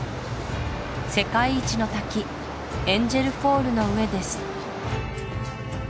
世界一の滝エンジェルフォールの上です